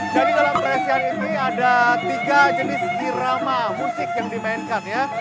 jadi dalam presian ini ada tiga jenis irama musik yang dimainkan ya